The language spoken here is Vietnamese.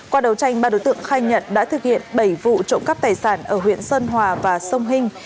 qua đấu tranh ba đối tượng khai nhận đã thực hiện bảy vụ trộm cấp tài sản ở huyện sơn hà và sông hình